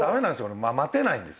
俺待てないんですよ。